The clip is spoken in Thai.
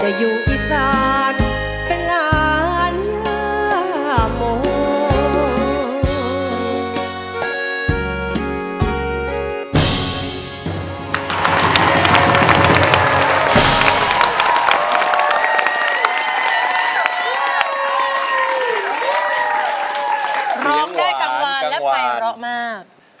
จะอยู่อีสานเป็นล้านยาหมด